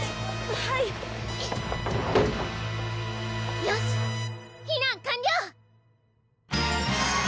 はいよし避難完了！